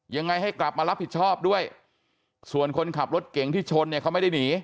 ยังไงให้กลับมารับผิดชอบด้วยส่วนคนขับรถเก่งที่ชนเนี่ยเขาไม่ได้หนี